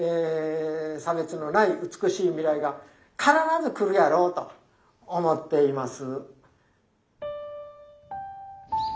差別のない美しい未来が必ず来るやろうと思っています。